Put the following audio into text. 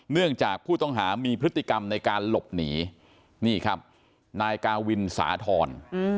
เนื่องจากผู้ต้องหามีพฤติกรรมในการหลบหนีนี่ครับนายกาวินสาธรณ์